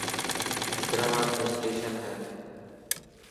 حيدرآباد ۾ اسٽيشن هي.